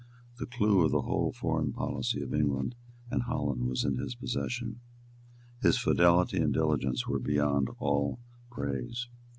The clue of the whole foreign policy of England and Holland was in his possession. His fidelity and diligence were beyond all praise.